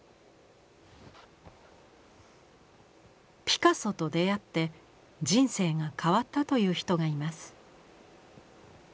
ピカソと出会って人生が変わったという人がいます。